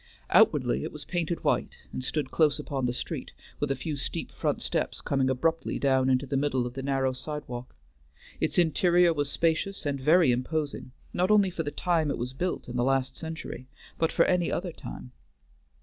Outwardly, it was painted white and stood close upon the street, with a few steep front steps coming abruptly down into the middle of the narrow sidewalk; its interior was spacious and very imposing, not only for the time it was built in the last century, but for any other time.